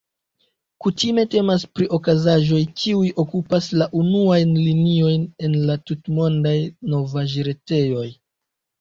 Kutime temas pri okazaĵoj, kiuj okupas la unuajn liniojn en la tutmondaj novaĵretejoj.